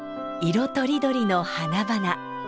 色とりどりの花々。